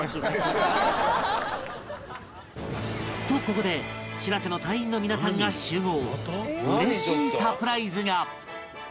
とここで「しらせ」の隊員の皆さんが集合